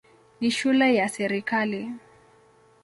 Ni shule ya serikali.